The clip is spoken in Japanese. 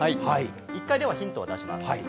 一回、ヒントを出します。